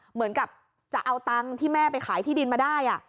เหมือนกับจะเอาตังค์ที่แม่ไปขายที่ดินมาได้